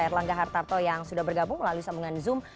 erlangga hartarto yang sudah bergabung melalui sambungan zoom